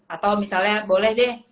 atau misalnya boleh deh